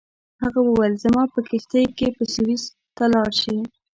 هغه وویل زما په کښتۍ کې به سویس ته لاړ شې.